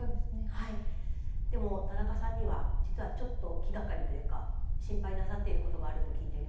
はいでも田中さんには実はちょっと気がかりというか心配なさっていることがあると聞いておりますが。